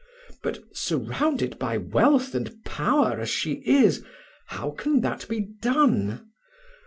But, surrounded by wealth and power as she is, how can that be done?